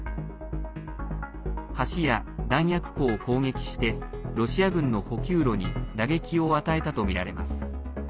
橋や弾薬庫を攻撃してロシア軍の補給路に打撃を与えたとみられます。